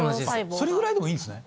それぐらいでもいいんですね。